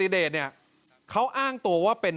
ดังธุรการ